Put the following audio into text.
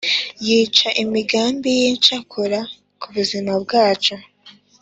Yica imigambi yincakura kubuzima bwacu